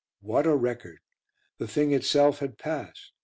What a record. The thing itself had passed.